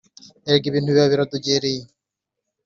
Erega ibintu biba biradogereye.